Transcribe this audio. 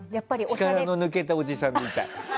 力の抜けたおじさんでいたい。